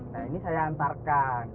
nah ini saya hantarkan